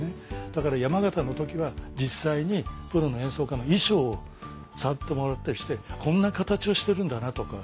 だから山形の時は実際にプロの演奏家の衣装を触ってもらったりしてこんな形をしてるんだなとか。